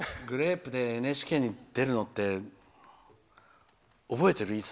グレープでＮＨＫに出るのって覚えてる？